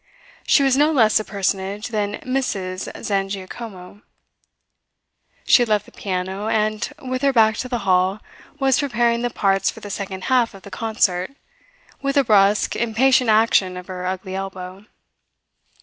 She was no less a personage than Mrs. Zangiacomo. She had left the piano, and, with her back to the hall, was preparing the parts for the second half of the concert, with a brusque, impatient action of her ugly elbow.